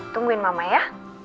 tungguin mama ya